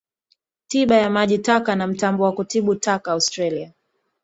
Tiba ya maji taka na mtambo wa kutibu taka Australia